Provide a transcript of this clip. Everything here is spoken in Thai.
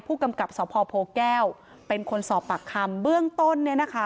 ผู้กำกับสภโพแก้วเป็นคนสอบปากคำเบื้องต้น